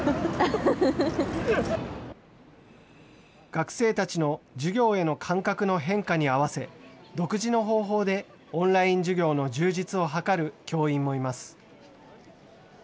学生たちの授業への感覚の変化に合わせ、独自の方法でオンライン授業の充実を図る教員もいます。